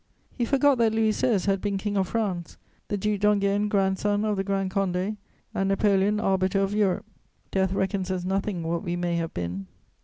He forgot that Louis XVI. had been King of France, the Duc d'Enghien grandson of the Grand Condé, and Napoleon arbiter of Europe: Death reckons as nothing what we may have been.